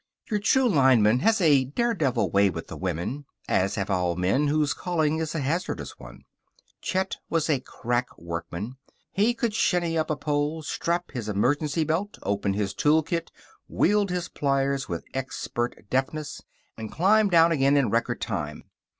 Your true lineman has a daredevil way with the women, as have all men whose calling is a hazardous one. Chet was a crack workman. He could shinny up a pole, strap his emergency belt, open his tool kit, wield his pliers with expert deftness, and climb down again in record time.